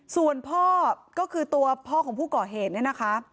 ส่วนพ่อก็คือตัวพ่อของผู้ก่อเหตุเนี่ยนะคะ